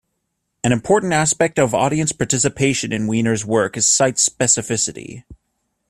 An important aspect of audience participation in Weiner's work is site-specificity.